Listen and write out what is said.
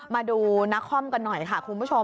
มาดูนักคอมกันหน่อยค่ะคุณผู้ชม